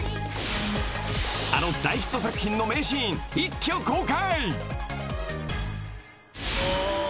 ［あの大ヒット作品の名シーン一挙公開！］